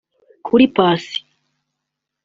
Kuri Paccy